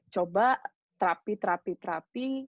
coba terapi terapi terapi